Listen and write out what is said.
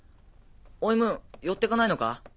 おいムーン寄ってかないのか？